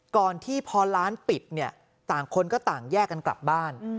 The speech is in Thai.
ก่อนที่พอร้านปิดเนี่ยต่างคนก็ต่างแยกกันกลับบ้าน